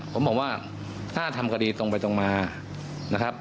ผมบอกว่าถ้าทำคดีตรงไปตรงมานะครับ